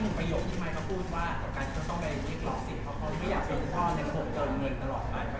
แม่งเขาพูดว่าต่อกันก็ต้องไปอย่างนี้หรอกสิเพราะเขาไม่อยากเป็นพ่อในกรมเกินเงินตลอดไปเขาอยากเหยียบนั้นในการตัดสินใจ